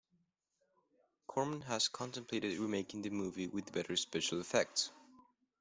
Corman has contemplated remaking the movie with better special effects.